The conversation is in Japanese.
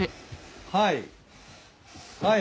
はい。